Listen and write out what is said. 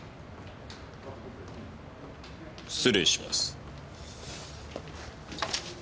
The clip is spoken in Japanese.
失礼します。